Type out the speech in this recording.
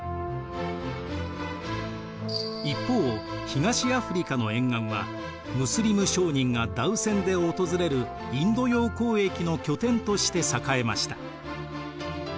一方東アフリカの沿岸はムスリム商人がダウ船で訪れるインド洋交易の拠点として栄えました。